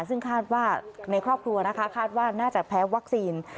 ซึ่งคาดว่าในครอบครัวนะคะคาดว่าน่าจะแพ้วัคซีน